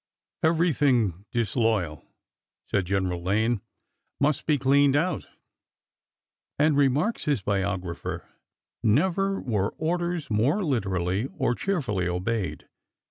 '' Everything disloyal," said General Lane, must be cleaned out "; and, remarks his biographer, never were orders more literally or cheerfully obeyed."